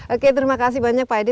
oke terima kasih banyak pak edi